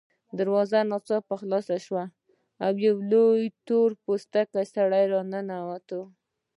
دروازه ناڅاپه خلاصه شوه او یو لوی تور پوستکی سړی راننوت